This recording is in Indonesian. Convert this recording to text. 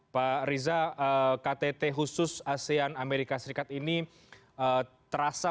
pak riza ktt khusus asean amerika serikat ini terasa